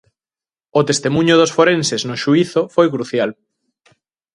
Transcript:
O testemuño dos forenses no xuízo foi crucial.